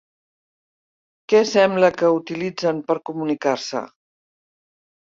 Què sembla que utilitzen per comunicar-se?